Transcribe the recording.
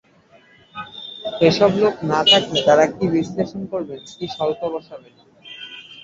এসব লোক না থাকলে তাঁরা কী বিশ্লেষণ করবেন, কী শুল্ক বসাবেন।